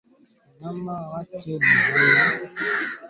Mnyama hutafuta kivuli akiwa na ugonjwa wa chambavu